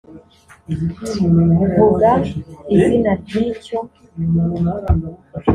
vuga izina ry'icyo